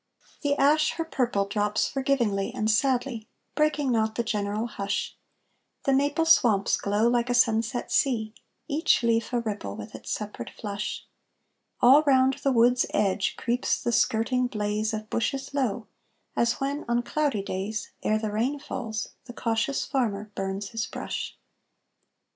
The ash her purple drops forgivingly And sadly, breaking not the general hush; The maple swamps glow like a sunset sea, Each leaf a ripple with its separate flush; All round the wood's edge creeps the skirting blaze Of bushes low, as when, on cloudy days, Ere the rain falls, the cautious farmer burns his brush.